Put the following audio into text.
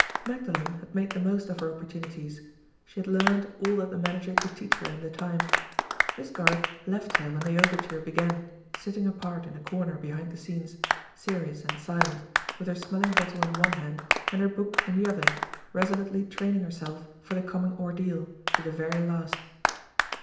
Magdalen had made the most of her opportunities; she had learned all that the manager could teach her in the time. Miss Garth left her when the overture began, sitting apart in a corner behind the scenes, serious and silent, with her smelling bottle in one hand, and her book in the other, resolutely training herself for the coming ordeal, to the very last.